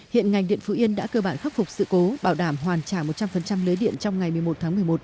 hiện ngành điện phú yên đã cơ bản khắc phục sự cố bảo đảm hoàn trả một trăm linh lưới điện trong ngày một mươi một tháng một mươi một